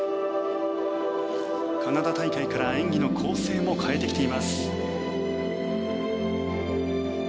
カナダ大会から演技の構成も変えてきています。